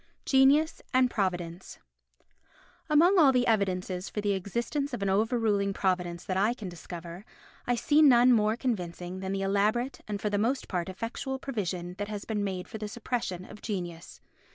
Genius and Providence Among all the evidences for the existence of an overruling Providence that I can discover, I see none more convincing than the elaborate and for the most part effectual provision that has been made for the suppression of genius.